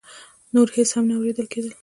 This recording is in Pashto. نور هېڅ هم نه اورېدل کېدل.